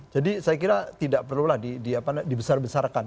jadi saya kira tidak perlulah dibesar besarkan